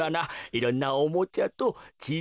いろんなおもちゃとちぃ